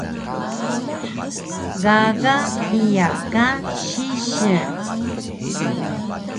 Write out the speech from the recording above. Gaga hiya ka sisil?